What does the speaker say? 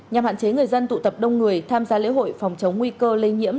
nhằm hạn chế người dân tụ tập đông người tham gia lễ hội phòng chống nguy cơ lây nhiễm